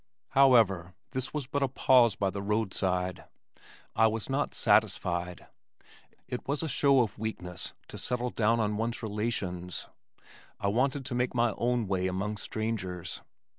However, this was but a pause by the roadside. I was not satisfied. It was a show of weakness to settle down on one's relations. I wanted to make my way among strangers.